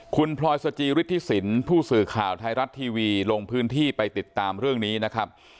คุณพลอยสจิฤทธิสินผู้สื่อข่าวไทยรัฐทีวีลงพื้นที่ไปติดตามเรื่องนี้นะครับ